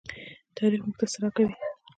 تاریخ موږ ته څه راکوي؟